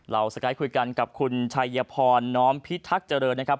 สกายคุยกันกับคุณชัยพรน้อมพิทักษ์เจริญนะครับ